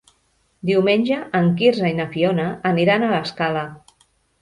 Diumenge en Quirze i na Fiona aniran a l'Escala.